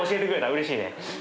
うれしいね。